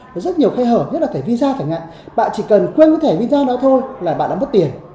có rất nhiều khai hở nhất là thẻ visa thẻ ngạc bạn chỉ cần quên cái thẻ visa đó thôi là bạn đã mất tiền